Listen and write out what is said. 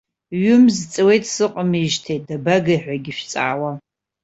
Ҩымз ҵуеит сыҟамижьҭеи, дабагеи ҳәагьы шәҵаауам!